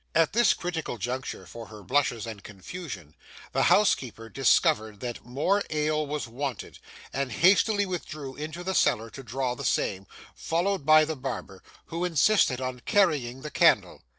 At this critical juncture for her blushes and confusion, the housekeeper discovered that more ale was wanted, and hastily withdrew into the cellar to draw the same, followed by the barber, who insisted on carrying the candle.